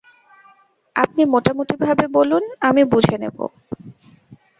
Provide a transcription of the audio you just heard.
আপনি মোটামুটিভাবে বলুন, আমি বুঝে নেব।